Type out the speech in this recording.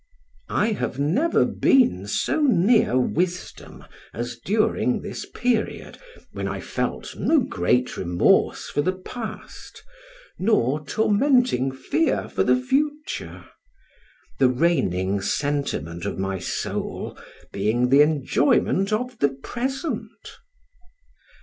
I have never been so near wisdom as during this period, when I felt no great remorse for the past, nor tormenting fear for the future; the reigning sentiment of my soul being the enjoyment of the present.